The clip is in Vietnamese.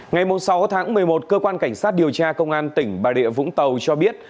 ngày sáu tháng một mươi một cơ quan cảnh sát điều tra công an tỉnh bà địa vũng tàu cho biết